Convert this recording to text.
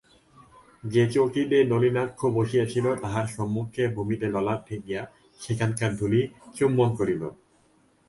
যে চৌকিতে নলিনাক্ষ বসিয়াছিল তাহার সম্মুখে ভূমিতে ললাট ঠেকাইয়া সেখানকার ধূলি চুম্বন করিল।